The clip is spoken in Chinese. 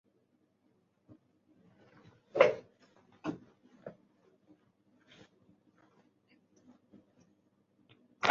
茂名无盾龟是入选国家重点保护古生物化石名录。